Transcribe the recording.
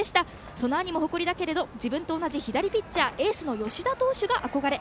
その兄も誇りだけど自分と同じ左ピッチャーエースの吉田投手が憧れ。